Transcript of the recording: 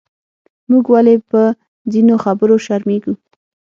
موږ ولې پۀ ځینو خبرو شرمېږو؟